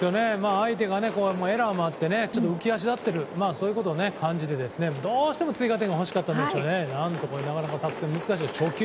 相手がエラーもあって浮き足立っていることを感じてどうしても追加点が欲しかったんでしょうね。